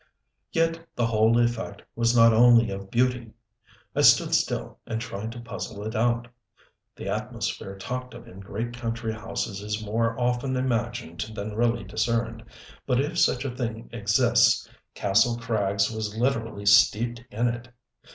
Yet the whole effect was not only of beauty. I stood still, and tried to puzzle it out. The atmosphere talked of in great country houses is more often imagined than really discerned; but if such a thing exists, Kastle Krags was literally steeped in it.